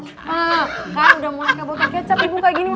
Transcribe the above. hah udah mulai kayak botol kecap ibu kayak gini mah